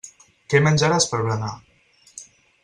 Què menjaràs per berenar.